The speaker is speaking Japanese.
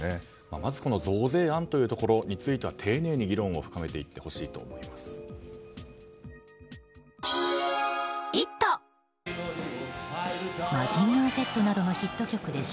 まず増税案というところについて丁寧に議論を深めていってほしいと思います。